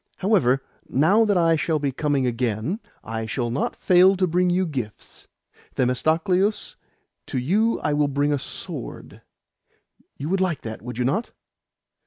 However, now that I shall be coming again, I will not fail to bring you gifts. Themistocleus, to you I will bring a sword. You would like that, would you not?"